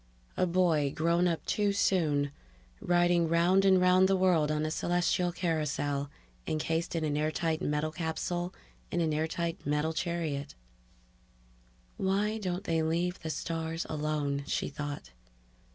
A boy grown up too soon, riding round and round the world on a celestial carousel, encased in an airtight metal capsule in an airtight metal chariot ... Why don't they leave the stars alone? she thought.